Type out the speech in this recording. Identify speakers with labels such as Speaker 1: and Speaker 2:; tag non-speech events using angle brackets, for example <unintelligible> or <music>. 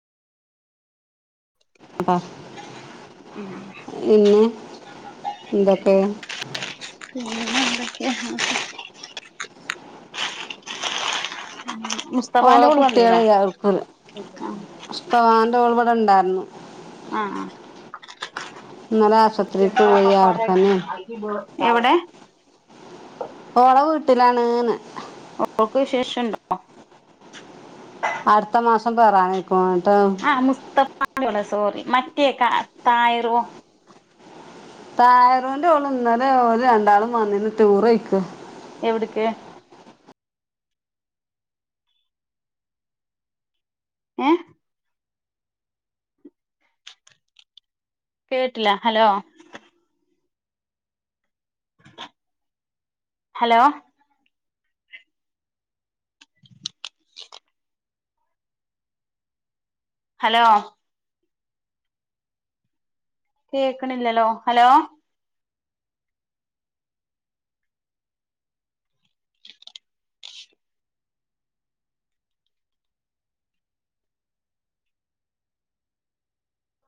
Speaker 1: ഉം
Speaker 2: <unintelligible> ഇന്നെ ഇന്തൊക്കെ
Speaker 1: <inaudible> ഉം
Speaker 2: ഓളെ കുട്ടിയേളേ <unintelligible> മുസ്തവാന്റെ ഓൾ ഇവിടെ ഇണ്ടാ ന്നു.
Speaker 1: ആ ആ
Speaker 2: ഇന്നലെ ആശത്രീക്ക് പോയി. അവിടെത്തന്നെണ്.
Speaker 1: എവിടെ
Speaker 2: ഓളെ വീട്ടിലാണ്ന്ന്.
Speaker 1: ഓൾക്ക് വിശേഷംണ്ടോ?
Speaker 2: അടുത്ത മാസം പെറാനേ ക്കുണു. ന്നട്ടാ
Speaker 1: ഫാൻ്റോള് സോറി മറ്റേ കാ തായിറോ?
Speaker 2: തായറൂൻ്റോള് ഇന്നലെ ഓര് രണ്ടാളും വന്നിന് ടൂറോയിക്കാ
Speaker 1: എവിട്ക്ക്? ഹേ കേട്ട്ല്ല. ഹലോ ഹലോ ഹലോ കേക്ണില്ലല്ലോ.. ഹലോ